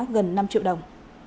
gần năm triệu đồng